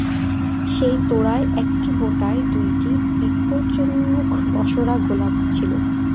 সেই তোড়ায় একটি বোঁটায় দুইটি বিকচোন্মুখ বসোরা-গোলাপ ছিল।